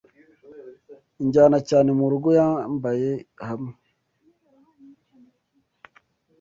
Injyana cyane murugo yambaye hamwe